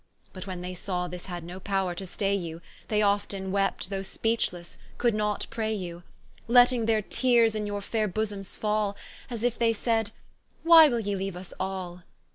But when they saw this had no powre to stay you, They often wept, though speechlesse, could not pray you; Letting their teares in your faire bosoms fall, As if they said, Why will ye leaue vs all?